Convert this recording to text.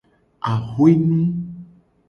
Axwe nu.